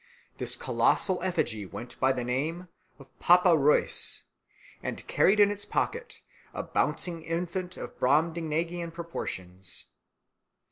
This colossal effigy went by the name of Papa Reuss, and carried in its pocket a bouncing infant of Brobdingnagian proportions.